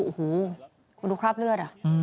โอ้โหคุณดูคราบเลือด